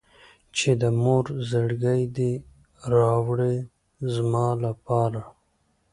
چې د مور زړګی دې راوړي زما لپاره.